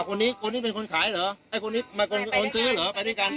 คนนี้คนนี้เป็นคนขายเหรอไอ้คนนี้มาเป็นคนซื้อเหรอไปด้วยกัน